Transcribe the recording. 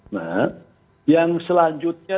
nah yang selanjutnya